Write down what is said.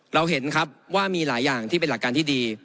เราเห็นครับว่ามีหลายอย่างที่เป็นหลักการที่ดี